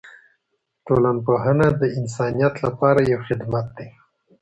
ټولنپوهنه د انسانیت لپاره یو خدمت دی.